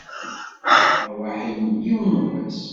Rrwaḥ-im, yiwen n wass!